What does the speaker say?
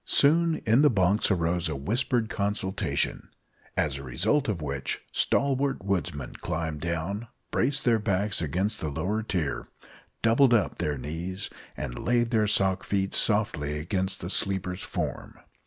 Soon in the bunks arose a whispered consultation, as a result of which stalwart woodsmen climbed down, braced their backs against the lower tier, doubled up their knees, and laid their sock feet softly against the sleeper's form.